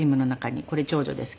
これ長女ですけど。